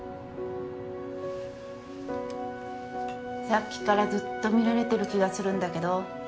さっきからずっと見られてる気がするんだけど。